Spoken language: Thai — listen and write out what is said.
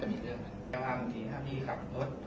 แต่แค่มองด้วยแหละเขานะถ้าตอนนั้นเขาขอโทษแต่อีกแรกก็จบ